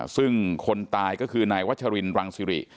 ซึ่งคนตายก็คือนายวัชรินรังสิริ